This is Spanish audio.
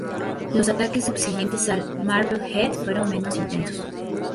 Los ataques subsiguientes al Marblehead fueron menos intensos.